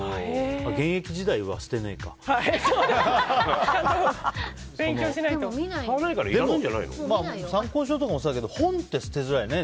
あ、現役時代は捨てねえか。参考書とかもそうだけど本って捨てづらいよね。